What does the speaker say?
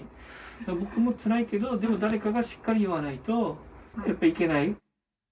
だから僕もつらいけど、でも誰かがしっかり言わないと、やっぱ、いけない。